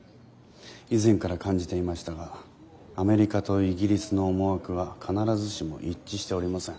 以前から感じていましたがアメリカとイギリスの思惑は必ずしも一致しておりません。